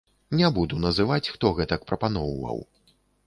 Не буду называць, хто гэтак прапаноўваў.